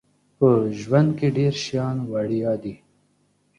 په ژوند کې ډیر شیان وړيا دي